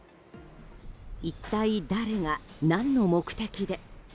一体、誰が何の目的で。